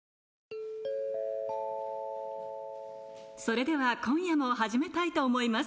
それでは今夜も始めたいと思います